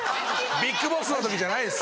ビッグボスの時じゃないです。